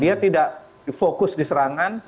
dia tidak di focus di serangan